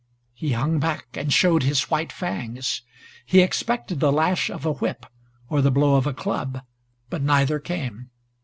He hung back and showed his white fangs. He expected the lash of a whip or the blow of a club, but neither came.